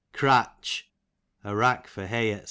Cratch, a rack for hay, dc.